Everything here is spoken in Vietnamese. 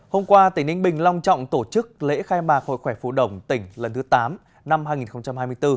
hôm qua tỉnh ninh bình long trọng tổ chức lễ khai mạc hội khỏe phụ đồng tỉnh lần thứ tám năm hai nghìn hai mươi bốn